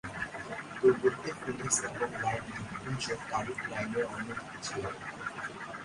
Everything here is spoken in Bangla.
দূরবর্তী ফিনিক্স এবং লাইন দ্বীপপুঞ্জ তারিখ লাইনের অন্য দিকে ছিল।